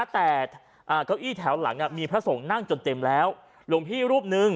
แต่เก้าอี้แถวหลังมีพระสงฆ์นั่งจนเต็มแล้วหลวงพี่รูปนึง